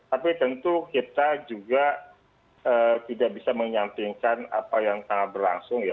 tapi tentu kita juga tidak bisa menyampingkan apa yang tengah berlangsung ya